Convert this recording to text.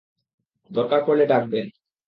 দরকার পড়লে ডাকবেন।